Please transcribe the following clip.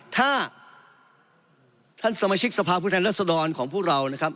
ถ้าท่านสมาชิกศภาพวิทยานลักษฐ์สดรของผู้เรานะครับ